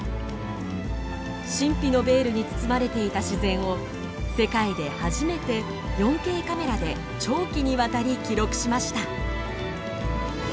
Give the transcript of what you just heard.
神秘のベールに包まれていた自然を世界で初めて４Ｋカメラで長期にわたり記録しました。